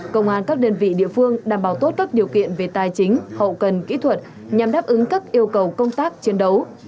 công an các đơn vị địa phương đảm bảo tốt các điều kiện về tài chính hậu cần kỹ thuật nhằm đáp ứng các yêu cầu công tác chiến đấu